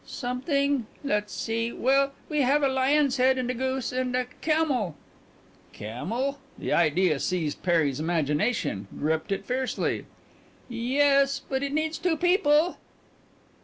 "Something let's see. Well, we have a lion's head, and a goose, and a camel " "Camel?" The idea seized Perry's imagination, gripped it fiercely. "Yes, but it needs two people."